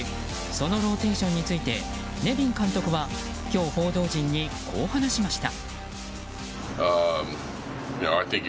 そのローテーションについてネビン監督は今日、報道陣にこう話しました。